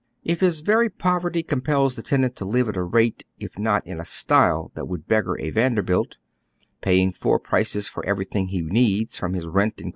If his very poverty compels the tenant to live at a rate if not in a style that would beggar a Vanderbilt, paying four prices for everything he needs, from his rent and oy Google THE COMMON HERD.